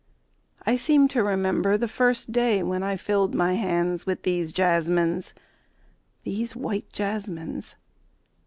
I seem to remember the first day when I filled my hands with these jasmines, these white jasmines.